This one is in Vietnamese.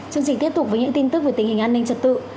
chương trình tiếp tục với những tin tức về tình hình an ninh trật tự